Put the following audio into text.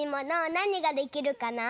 なにができるかな？